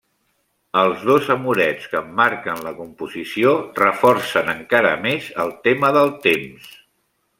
Els dos amorets que emmarquen la composició reforcen encara més el tema del temps.